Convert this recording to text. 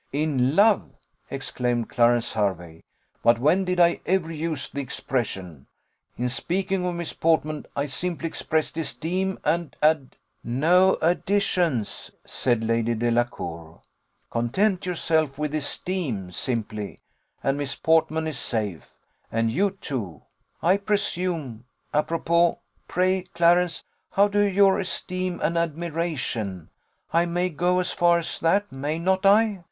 "In love!" exclaimed Clarence Hervey; "but when did I ever use the expression? In speaking of Miss Portman, I simply expressed esteem and ad " "No additions," said Lady Delacour; "content yourself with esteem simply, and Miss Portman is safe, and you too, I presume. Apropos; pray, Clarence, how do your esteem and admiration (I may go as far as that, may not I?)